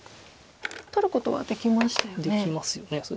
取ることはできましたよね。